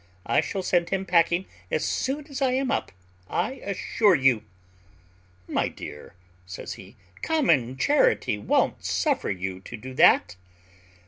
I shall send him packing as soon as I am up, I assure you." "My dear," said he, "common charity won't suffer you to do that."